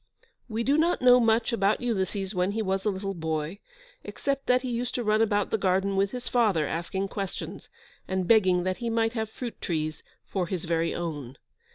We do not know much about Ulysses when he was a little boy, except that he used to run about the garden with his father, asking questions, and begging that he might have fruit trees "for his very own."